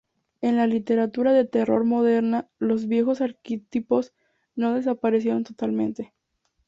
En la literatura de terror moderna los viejos arquetipos no desaparecieron totalmente.